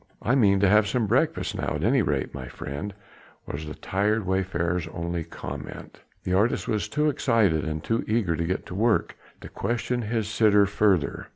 "I mean to have some breakfast now at any rate, my friend," was the tired wayfarer's only comment. The artist was too excited and too eager to get to work to question his sitter further.